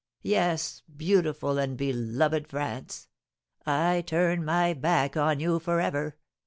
Yes, beautiful and beloved France! I turn my back on you for ever!